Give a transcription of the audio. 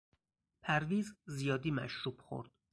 پرویز زیادی مشروب خورد.